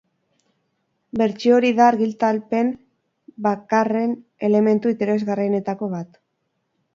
Bertsio hori da argitalpen bdakarren elementu interesgarrienetako bat.